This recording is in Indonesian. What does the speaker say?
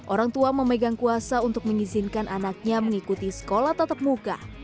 orang tua memegang kuasa untuk mengizinkan anaknya mengikuti sekolah tatap muka